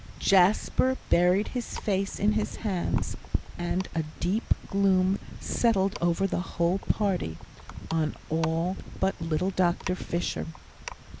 Jasper buried his face in his hands, and a deep gloom settled over the whole party, on all but little Dr. Fisher.